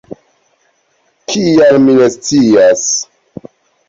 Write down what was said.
Kial mi ne scias.